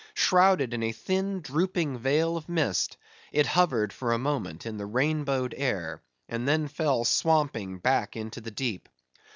Shrouded in a thin drooping veil of mist, it hovered for a moment in the rainbowed air; and then fell swamping back into the deep.